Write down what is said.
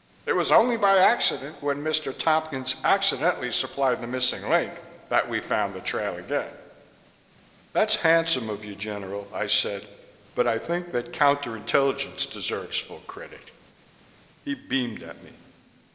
It was only by accident, when Mr. Tompkins accidentally supplied the missing link, that we found the trail again." "That's handsome of you, General," I said, "but I think that Counter Intelligence deserves full credit." He beamed at me.